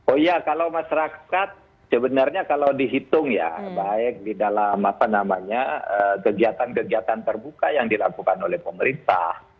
oh iya kalau masyarakat sebenarnya kalau dihitung ya baik di dalam apa namanya kegiatan kegiatan terbuka yang dilakukan oleh pemerintah